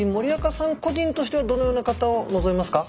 個人としてはどのような方を望みますか？